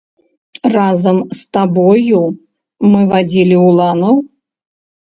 Разам з табою мы вадзілі уланаў?